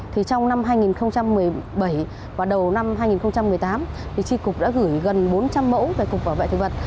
thì trong năm hai nghìn một mươi bảy và đầu năm hai nghìn một mươi tám tri cục đã gửi gần bốn trăm linh mẫu về cục bảo vệ thực vật